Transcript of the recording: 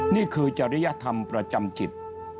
นี่คือจริยธรรมประจำจิต